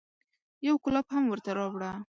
يو کولپ هم ورته راوړه.